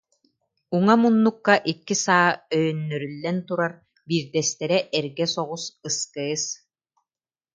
Уҥа муннукка икки саа өйөннөрүллэн турар, биирдэрэ эргэ соҕус «СКС»